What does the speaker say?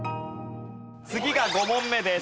次が５問目です。